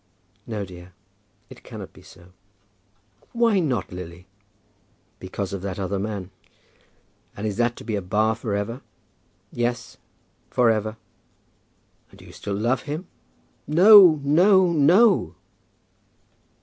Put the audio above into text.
"No, dear; it cannot be so." "Why not, Lily?" "Because of that other man." "And is that to be a bar for ever?" "Yes; for ever." "Do you still love him?" "No; no, no!"